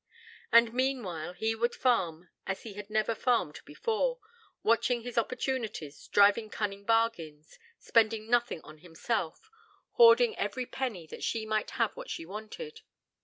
And, meanwhile, he would farm as he had never farmed before, watching his opportunities, driving cunning bargains, spending nothing on himself, hoarding every penny that she might have what she wanted....